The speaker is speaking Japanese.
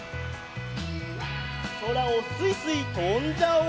そらをすいすいとんじゃおう。